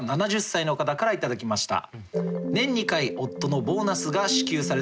７０歳の方から頂きました。